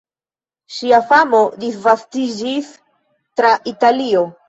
Ŝia famo disvastiĝis tra Italio.